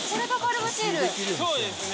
そうですね。